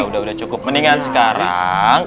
udah udah cukup mendingan sekarang